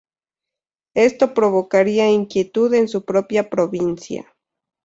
Esto provocaría inquietud en su propia provincia.